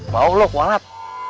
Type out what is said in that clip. bau lo kualat